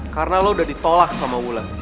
karena lo udah ditolak sama wulan